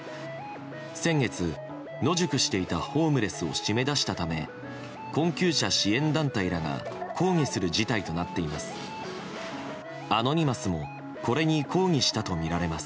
先月、野宿していたホームレスを締め出したため困窮者支援団体らが抗議する事態になっています。